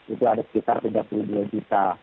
itu ada sekitar tiga puluh dua juta